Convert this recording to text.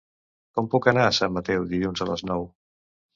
Com puc anar a Sant Mateu dilluns a les nou?